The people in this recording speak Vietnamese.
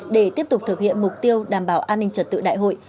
để tiếp tục thực hiện mục tiêu đảm bảo an ninh trật tự đại hội